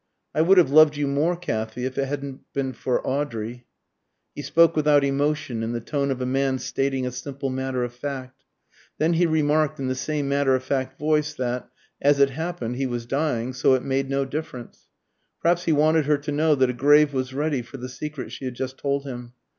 "I would have loved you more, Kathy, if it hadn't been for Audrey." He spoke without emotion, in the tone of a man stating a simple matter of fact. Then he remarked in the same matter of fact voice that, as it happened, he was dying, so it made no difference. Perhaps he wanted her to know that a grave was ready for the secret she had just told him.